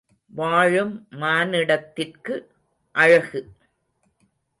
வாழும் மானிடத்திற்கு அழகு?